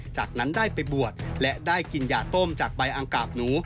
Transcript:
จากนั้นได้ไปบวชและได้กินยาต้มจากใบอังกาบหนู